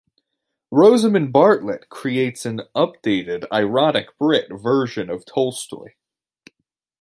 Rosamund Bartlett... creates an updated ironic-Brit version of Tolstoy.